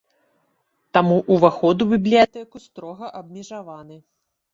Таму ўваход у бібліятэку строга абмежаваны.